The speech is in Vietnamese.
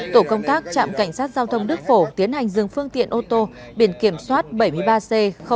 tổ công tác trạm cảnh sát giao thông đức phổ tiến hành dừng phương tiện ô tô biển kiểm soát bảy mươi ba c bảy nghìn hai trăm linh bốn